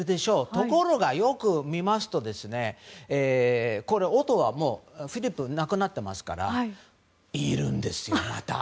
ところが、よく見ますと夫フィリップは亡くなっていますからいるんですよ、また。